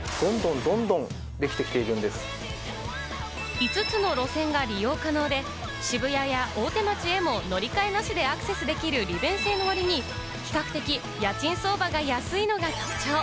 ５つの路線が利用可能で、渋谷や大手町へも乗り換えなしでアクセスできる利便性のわりに比較的、家賃相場が安いのが特徴。